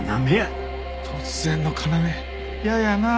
突然の要嫌やなあ